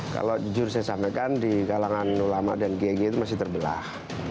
kalau jujur saya sampaikan di kalangan ulama dan gg itu masih terbelah